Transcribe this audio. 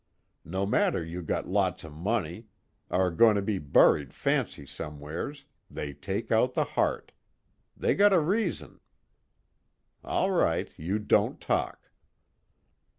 No matter you got lots of money, 'r' gonna be buried fancy somewheres, they take out the heart. They got a reason. All right, you don't talk."